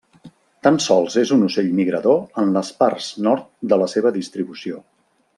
Tan sols és un ocell migrador en les parts nord de la seva distribució.